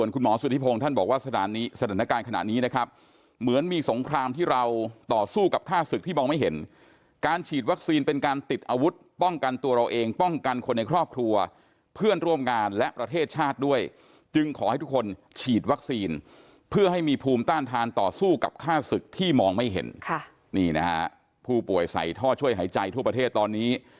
คุณหมอสุธิพงศ์ท่านบอกว่าสถานการณ์ขณะนี้นะครับเหมือนมีสงครามที่เราต่อสู้กับค่าศึกที่มองไม่เห็นการฉีดวัคซีนเป็นการติดอาวุธป้องกันตัวเราเองป้องกันคนในครอบครัวเพื่อนร่วมงานและประเทศชาติด้วยจึงขอให้ทุกคนฉีดวัคซีนเพื่อให้มีภูมิต้านทานต่อสู้กับค่าศึกที่มองไม่เห็นค่ะนี่นะฮะผู้ป่วยใส่ท่อช่วยหายใจทั่วประเทศตอนนี้